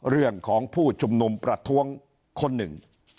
เรื่องของผู้ชุมนุมประท้วงคนหนึ่ง